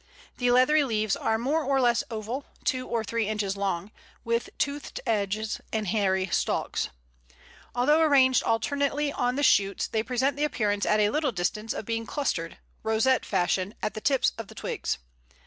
The leathery leaves are more or less oval, two or three inches long, with toothed edges and hairy stalks. Although arranged alternately on the shoots, they present the appearance at a little distance of being clustered, rosette fashion, at the tips of the twigs.